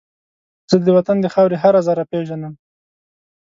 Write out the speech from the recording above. زه د وطن د خاورې هر زره پېژنم